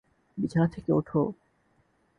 বিছানা থেকে ওঠো!